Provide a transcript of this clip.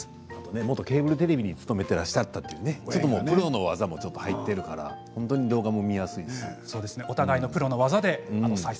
元ケーブルテレビに勤めていらっしゃったプロの技も入っているから動画も見やすいですよね。